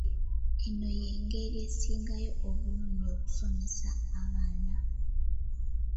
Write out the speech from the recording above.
Eno y'engeri esingayo obulungi okusomesa abaana.